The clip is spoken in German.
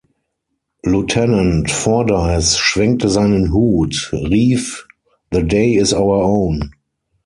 Lieutenant Fordyce schwenkte seinen Hut, rief: "The day is our own.